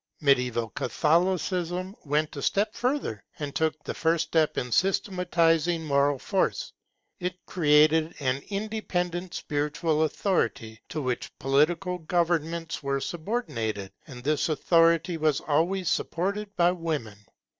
Mediaeval Catholicism went a step further, and took the first step in systematizing moral force. It created an independent spiritual authority to which political governments were subordinated, and this authority was always supported by women.